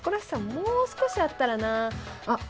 もう少しあったらなあっ